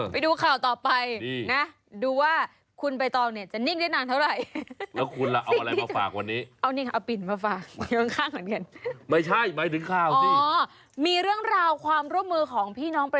ไปดูข่าวต่อไปนะดูว่าคุณใบตองเนี่ยจะนิ่งได้นานเท่าไหร่